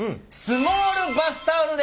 スモールバスタオル？